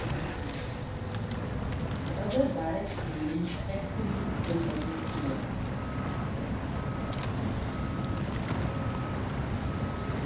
The other barracks building technically still exists today.